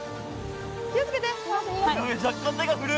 気を付けて。